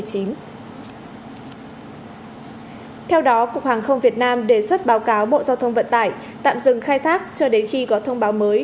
theo đó cục hàng không việt nam đề xuất báo cáo bộ giao thông vận tải tạm dừng khai thác cho đến khi có thông báo mới